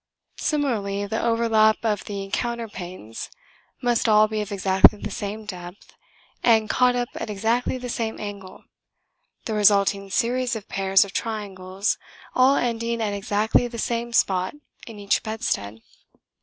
Similarly the overlap of the counterpanes must all be of exactly the same depth and caught up at exactly the same angle, the resulting series of pairs of triangles all ending at exactly the same spot in each bedstead.